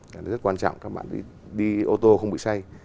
là rất quan trọng các bạn đi ô tô không bị say